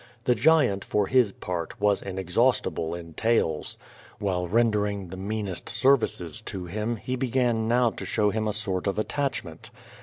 The giant, for his part, was inexhaustible in talcs. While rendering the meanest 8er\ice8 to him, Crispus, he l>e gan now to show him a sort of attachment.